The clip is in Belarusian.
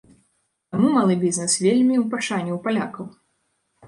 Таму малы бізнэс вельмі ў пашане ў палякаў.